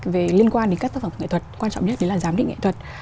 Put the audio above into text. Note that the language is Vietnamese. về liên quan đến các tác phẩm nghệ thuật quan trọng nhất đấy là giám định nghệ thuật